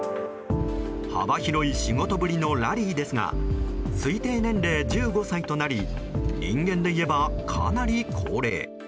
幅広い仕事ぶりのラリーですが推定年齢１５歳となり人間でいえばかなり高齢。